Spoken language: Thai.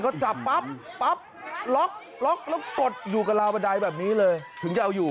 เขาจับปั๊บปั๊บล็อคล็อคแล้วกดอยู่กับราวบันไดแบบนี้เลย